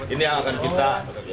ini yang akan kita